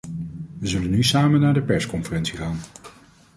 We zullen nu samen naar de persconferentie gaan.